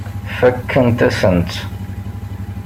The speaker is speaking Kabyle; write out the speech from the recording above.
Fakkent-asen-tt.